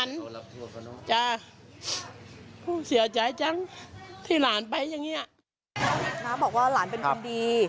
น้าบอกว่าหลานเป็นคนดี